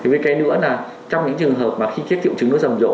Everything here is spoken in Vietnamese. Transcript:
với cái nữa là trong những trường hợp mà khi chết triệu chứng nó rầm rộ